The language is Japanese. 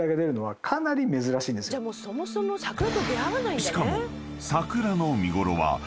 ［しかも］